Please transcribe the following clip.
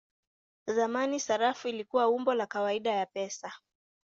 Zamani sarafu ilikuwa umbo la kawaida ya pesa.